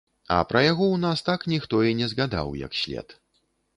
А пра яго ў нас так ніхто і не згадаў як след.